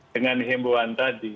dengan himbuan tadi